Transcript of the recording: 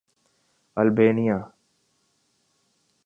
Albania